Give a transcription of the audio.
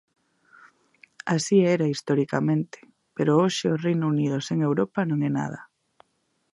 Así era historicamente, pero hoxe o Reino Unido sen Europa non é nada.